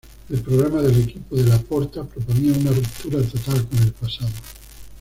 El programa del equipo de Laporta proponía una ruptura total con el pasado.